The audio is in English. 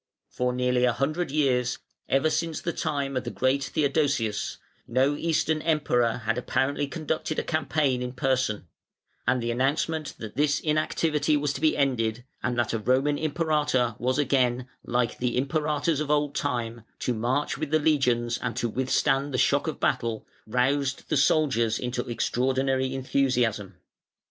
For nearly a hundred years, ever since the time of the great Theodosius, no Eastern Emperor apparently had conducted a campaign in person; and the announcement that this inactivity was to be ended and that a Roman Imperator was again, like the Imperators of old time, to march with the legions and to withstand the shock of battle, roused the soldiers to extraordinary enthusiasm.